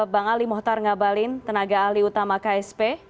bang ali mohtar ngabalin tenaga ahli utama ksp